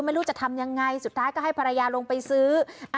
ไม่รู้จะทำยังไงสุดท้ายก็ให้ภรรยาลงไปซื้อ